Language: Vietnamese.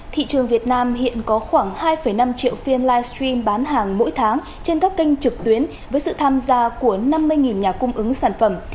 thị trường việt nam hiện có khoảng hai năm triệu phiên livestream bán hàng mỗi tháng trên các kênh trực tuyến với sự tham gia của năm mươi nhà cung ứng sản phẩm